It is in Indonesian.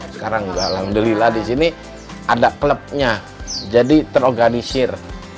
sekarang alhamdulillah di sini ada klubnya jadi terorganisir